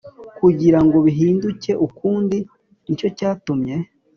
kugira ngo bihinduke ukundi Ni cyo cyatumye